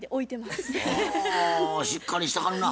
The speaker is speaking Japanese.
はあしっかりしてはるな。